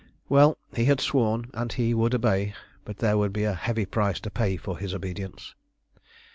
Well, he had sworn, and he would obey, but there would be a heavy price to pay for his obedience.